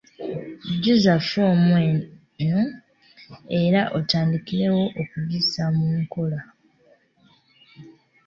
jjuza ffoomu eno era otandikirewo okugissa mu nkola